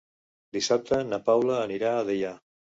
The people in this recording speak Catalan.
Dissabte na Paula anirà a Deià.